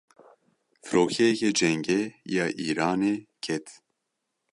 Firokeyeke cengê ya Îranê ket.